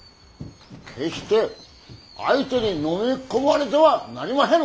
決ひて相手にのみ込まれてはなりまへぬ！